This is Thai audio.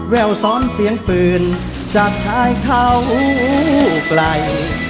แววซ้อนเสียงปืนจากชายเขาไกล